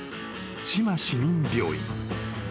志摩市民病院］